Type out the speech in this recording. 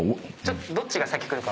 どっちが先来るか。